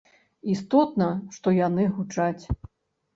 Істотна, што яны гучаць.